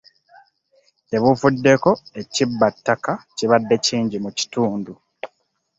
Ggye buvuddeko ekibbattaka kibadde kingi mu kitundu.